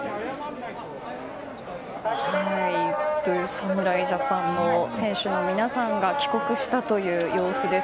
侍ジャパンの選手の皆さんが帰国したという様子です。